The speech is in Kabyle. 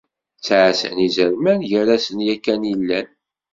Ttεassan izerman gar-asen yakan i llan.